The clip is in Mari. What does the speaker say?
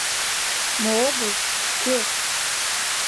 Мо огыл, кӧ!